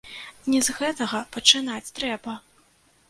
Не з гэтага пачынаць трэба!